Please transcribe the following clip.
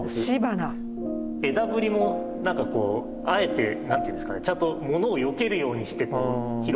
枝ぶりもなんかこうあえて何ていうんですかねちゃんとモノをよけるようにして広がってるじゃないですか。